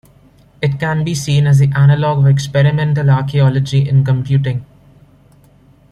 It can be seen as the analogue of experimental archaeology in computing.